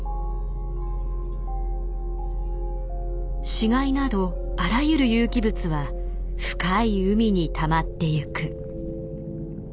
死骸などあらゆる有機物は深い海にたまっていく。